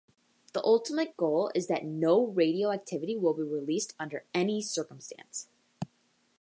The ultimate goal is that no radioactivity will be released under any circumstance.